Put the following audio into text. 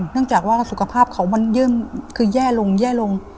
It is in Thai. เนื่องจากว่าสุขภาพเขามันแย่ลง